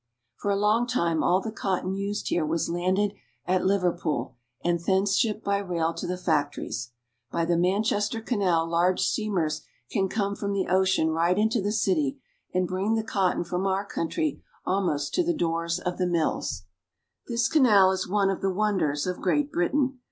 For a long time all the cotton used here was landed at Liverpool, and thence shipped by rail to the factories. By the Manchester Canal large steamers can come from the ocean right into the city, and bring the cotton from our country almost to the doors of the mills. Manchester Canal. This canal is one of the wonders of Great Britain.